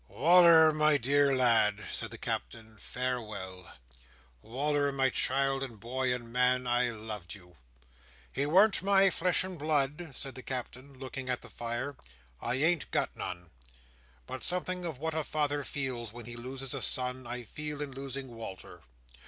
"Wal"r, my dear lad," said the Captain, "farewell! Wal"r my child, my boy, and man, I loved you! He warn't my flesh and blood," said the Captain, looking at the fire—"I ain't got none—but something of what a father feels when he loses a son, I feel in losing Wal"r.